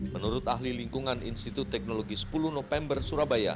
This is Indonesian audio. menurut ahli lingkungan institut teknologi sepuluh november surabaya